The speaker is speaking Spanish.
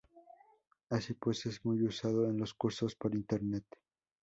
Así pues es muy usado en los cursos por internet.